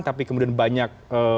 tapi kemudian banyak